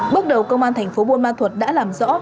bước đầu công an thành phố buôn ma thuật đã làm rõ